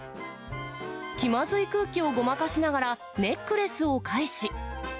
気まずい空気をごまかしながら、ネックレスを返し。